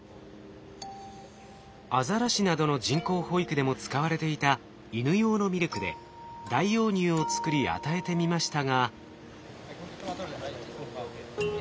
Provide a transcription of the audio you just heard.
アザラシなどの人工哺育でも使われていたイヌ用のミルクで代用乳を作り与えてみましたが。